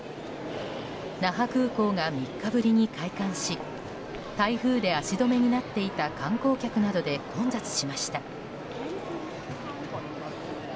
那覇空港が３日ぶりに開館し台風で足止めになっていた観光客などで混雑しました。